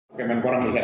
oke men korang bisa